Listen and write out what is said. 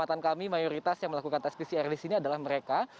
catatan kami mayoritas yang melakukan tes pcr di sini adalah mereka